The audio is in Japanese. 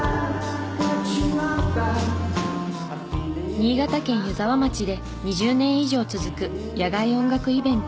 新潟県湯沢町で２０年以上続く野外音楽イベント。